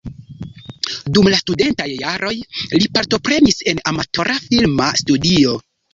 Dum la studentaj jaroj li partoprenis en amatora filma studio.